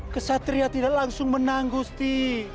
kesatria tidak langsung menang gusti